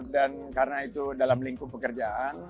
dan karena itu dalam lingkung pekerjaan